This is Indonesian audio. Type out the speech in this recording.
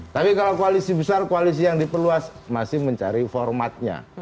tapi kalau koalisi besar koalisi yang diperluas masih mencari formatnya